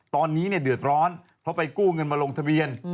ตอนนี้เดือดร้อนเพราะไปกู้เงินมาลงทะเบียน